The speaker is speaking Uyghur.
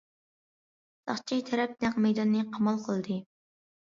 ساقچى تەرەپ نەق مەيداننى قامال قىلدى.